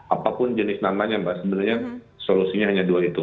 apapun jenis namanya mbak sebenarnya solusinya hanya dua itu